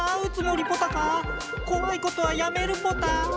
こわいことはやめるポタ。